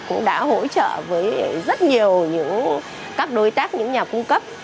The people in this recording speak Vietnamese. cũng đã hỗ trợ với rất nhiều những đối tác những nhà cung cấp